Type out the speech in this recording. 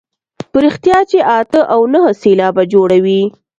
په رښتیا چې اته او نهه سېلابه جوړوي.